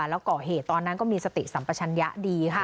แล้วก่อเหตุตอนนั้นก็มีสติสัมปชัญญะดีค่ะ